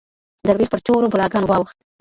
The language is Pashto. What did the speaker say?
دروېش پر تورو بلاګانو واوښت